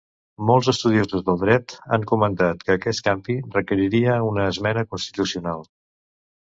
Molts estudiosos del dret han comentat que aquest canvi requeriria una esmena constitucional.